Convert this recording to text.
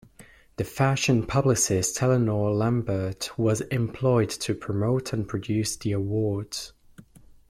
The fashion publicist Eleanor Lambert was employed to promote and produce the awards.